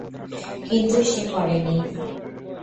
কিন্তু সে করেনি।